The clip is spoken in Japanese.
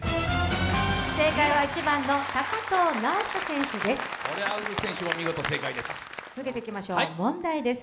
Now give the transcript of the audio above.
正解は１番の高藤直寿選手です。